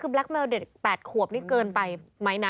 คือแล็คเมลเด็ก๘ขวบนี่เกินไปไหมนะ